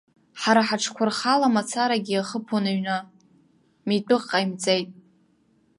Ҳара ҳаҽқәа рхала мацарагьы иахыԥон аҩны, митәык ҟаимҵеит!